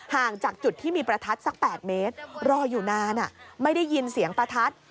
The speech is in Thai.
ห่างจากจุดที่มีประทัดสัก๘เมตรรออยู่นานไม่ได้ยินเสียงประทัด